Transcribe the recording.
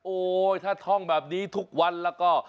โอ้โหถ้าท่องแบบนี้ทุกวันล่ะก็